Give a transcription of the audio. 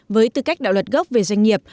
với tư cách đạo luật gốc về doanh nghiệp